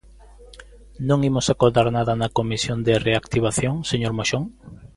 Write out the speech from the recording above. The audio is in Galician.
¿Non imos acordar nada na Comisión de Reactivación, señor Moxón?